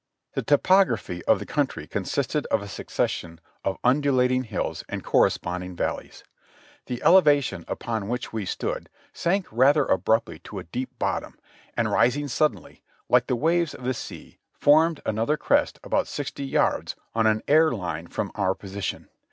The topography cf the country consisted of a succession of undulating hills and corresponding valleys. The elevation upon which we stood sank rather abruptly to a deep bottom, and rising suddenly, like the waves of the sea, formed another crest about sixty yards on an air line from our position.